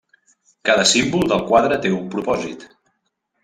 Cada símbol del quadre té un propòsit.